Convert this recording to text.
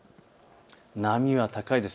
波は高いです。